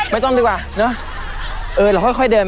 มาดูกันว่าคูณกอล์ฟและคุณพระกุ้ง